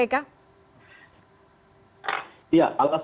tidak bisa menghadiri besok ya pemanggilan kpk